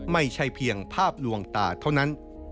ไม่ใช่เพียงภาพลวงตาเท่านั้น